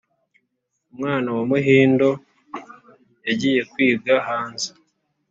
umwana wa muhindo yagiye kwiga hanze